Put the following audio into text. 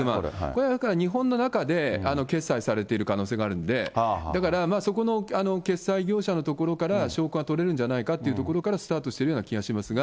これはだから、日本の中で決済されている可能性があるんで、だからそこの決済業者のところから証拠が取れるんじゃないかというところからスタートしているような気がしますが。